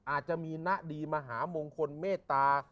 อาจจะมีณดีมหามงคลเมตตา